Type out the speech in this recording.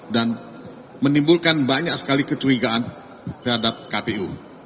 dan menimbulkan banyak sekali kecurigaan terhadap kpu